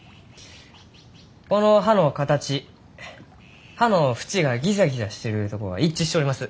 この葉の形葉の縁がギザギザしてるとこが一致しちょります。